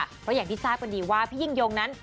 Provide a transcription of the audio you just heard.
เพราะอย่างที่ทราบกันดีว่าพี่ยิ่งยงนั้น